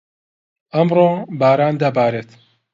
ئەمڕۆ، باران دەبارێت.